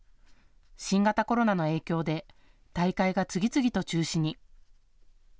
新型コロナの影響で大会が次々と中止に。